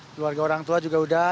keluarga orang tua juga udah